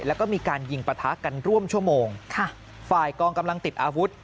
แล้วก็มีการยิงปะทะกันร่วมชั่วโมงค่ะฝ่ายกองกำลังติดอาวุธ